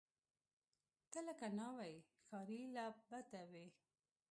ته لکه ناوۍ، ښاري لعبته وې